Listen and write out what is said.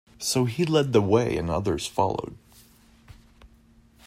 So he led the way and the others followed.